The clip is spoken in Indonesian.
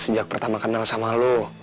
sejak pertama kenal sama lo